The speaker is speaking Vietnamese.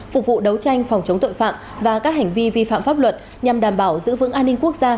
phục vụ đấu tranh phòng chống tội phạm và các hành vi vi phạm pháp luật nhằm đảm bảo giữ vững an ninh quốc gia